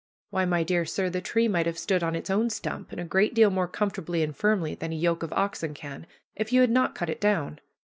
Why, my dear sir, the tree might have stood on its own stump, and a great deal more comfortably and firmly than a yoke of oxen can, if you had not cut it down.